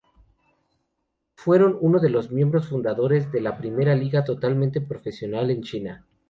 Fueron uno de los miembros fundadores de la primera liga totalmente profesional en China.